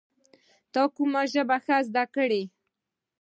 ته کوم ژبه ښه زده کړې؟